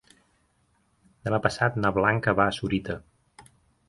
Demà passat na Blanca va a Sorita.